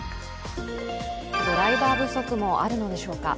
ドライバー不足もあるのでしょうか。